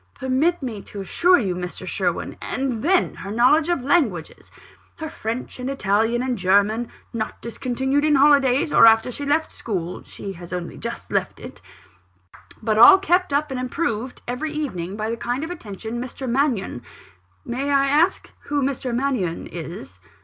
"Permit me to assure you, Mr. Sherwin " "And then, her knowledge of languages her French, and Italian, and German, not discontinued in holidays, or after she left school (she has only just left it); but all kept up and improved every evening, by the kind attention of Mr. Mannion " "May I ask who Mr. Mannion is?"